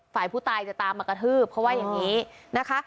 ฝ่ายผู้ตายจะตามมากระทืบเขาว่าอย่างนี้นะคะ